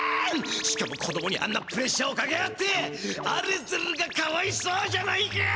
しかも子どもにあんなプレッシャーをかけやがってアルゼルがかわいそうじゃないか！